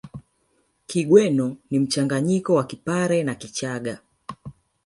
Kigweno ni mchanganyiko wa Kipare na Kichagga